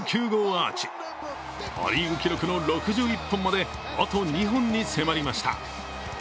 ア・リーグ記録の６１本まであと２本に迫りました。